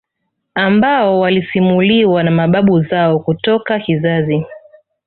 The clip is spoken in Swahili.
ambao walisimuliwa na mababu zao kutoka kizazi